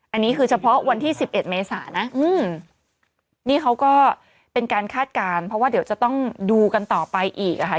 อันนี้คือเฉพาะวันที่สิบเอ็ดเมษานะนี่เขาก็เป็นการคาดการณ์เพราะว่าเดี๋ยวจะต้องดูกันต่อไปอีกอ่ะค่ะ